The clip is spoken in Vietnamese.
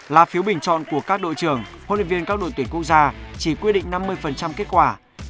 là phiếu bình chọn của các đội trưởng huấn luyện viên các đội tuyển quốc gia chỉ quy định năm mươi kết quả